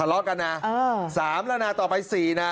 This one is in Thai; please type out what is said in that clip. ทะเลาะกันนะสามแล้วนะต่อไปสี่นะ